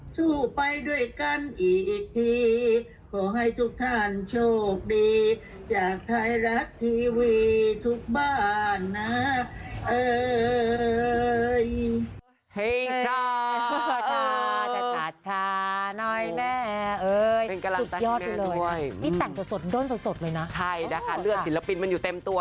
สู้ไปด้วยกันอีกทีขอให้ทุกท่านโชคดีจากไทยรัฐทีวีทุกบ้านนะ